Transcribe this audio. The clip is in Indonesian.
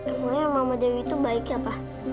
akunya mama dewi itu baik ya pak